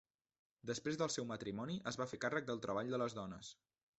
Després del seu matrimoni es va fer càrrec del treball de les dones.